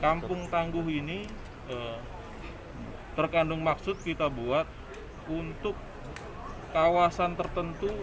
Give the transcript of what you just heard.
kampung tangguh ini terkandung maksud kita buat untuk kawasan tertentu